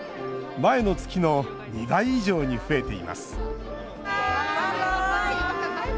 前の月の２倍以上に増えています。